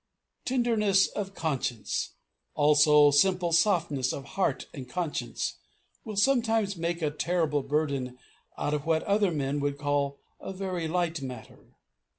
Tenderness of conscience, also, simple softness of heart and conscience, will sometimes make a terrible burden out of what other men would call a very light matter.